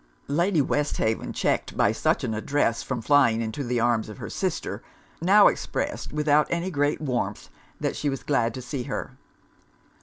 Lady Westhaven, checked by such an address from flying into the arms of her sister, now expressed, without any great warmth, that she was glad to see her.